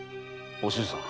お静さん。